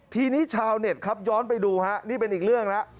ทีนี้ชาวเน็ตครับย้อนไปดูฮะนี่เป็นอีกเรื่องแล้ว